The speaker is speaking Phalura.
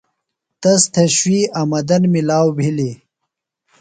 تس تھےۡ شوئی آمدن ملاؤ بِھلیۡ۔